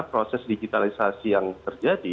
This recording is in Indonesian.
proses digitalisasi yang terjadi